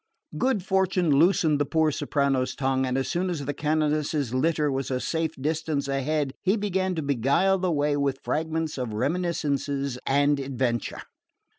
Good fortune loosened the poor soprano's tongue, and as soon as the canonesses' litter was a safe distance ahead he began to beguile the way with fragments of reminiscence and adventure.